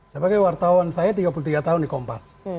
sebagai wartawan saya tiga puluh tiga tahun di kompas